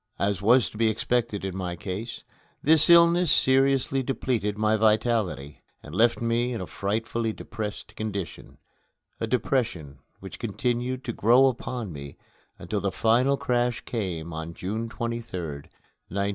As was to be expected in my case, this illness seriously depleted my vitality, and left me in a frightfully depressed condition a depression which continued to grow upon me until the final crash came, on June 23rd, 1900.